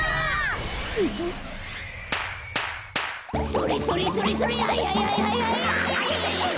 それそれそれそれはいはいはいはいはい！